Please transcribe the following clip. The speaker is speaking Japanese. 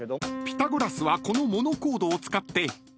［ピタゴラスはこのモノコードを使って弦が２対１のとき］